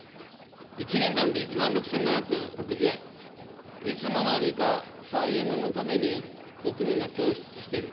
１年間で１万６５６０円、いつの間にか、再エネのために国民が供出している。